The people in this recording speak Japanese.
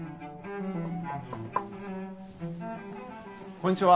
こんにちは。